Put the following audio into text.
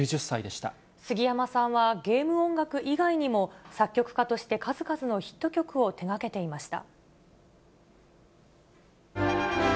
すぎやまさんはゲーム音楽以外にも、作曲家として数々のヒット曲を手がけていました。